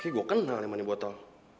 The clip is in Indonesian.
kayaknya gue kenal yang mani botol